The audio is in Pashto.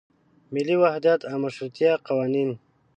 ملي وحدت او مشروطیه قوانین.